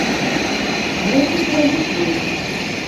Мы тут не агітуем.